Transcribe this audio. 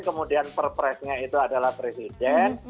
kemudian perpresnya itu adalah presiden